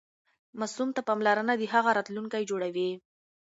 ماسوم ته پاملرنه د هغه راتلونکی جوړوي.